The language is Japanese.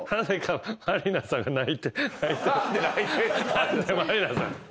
何で満里奈さん。